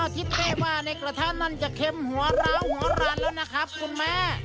อ๋อคิดเป้ว่าในกระทะนั้นจะเข็มหัวเราหัวราวนะครับคุณแม่